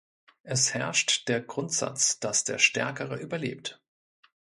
Es herrscht der Grundsatz, dass der Stärkere überlebt.